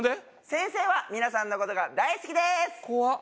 先生は皆さんのことが大好きです怖っ